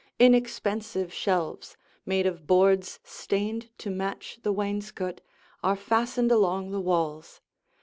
Inexpensive shelves, made of boards stained to match the wainscot, are fastened along the walls.